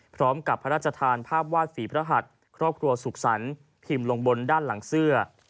พร้อมกับพระราชทานภาพวาดฝีพระหัสครอบครัวสุขสรรค์พิมพ์ลงบนด้านหลังเสื้อ